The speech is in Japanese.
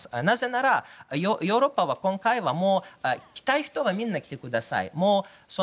なぜなら、ヨーロッパは今回はもう来たい人はみんな来てください。